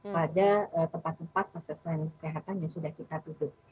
pada tempat tempat kasus kasus lain sehatan yang sudah kita tutup